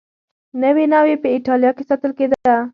نوې ناوې په اېټالیا کې ساتل کېده.